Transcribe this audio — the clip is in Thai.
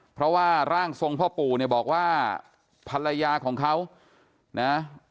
เพราะว่าร่างทรงพ่อปู่เนี่ยบอกว่าภรรยาของเขานะ